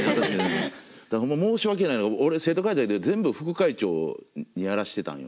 申し訳ないのが俺生徒会長でも全部副会長にやらしてたんよ